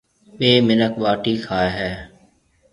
ٻَي مِنک ٻاٽِي کائي هيَ۔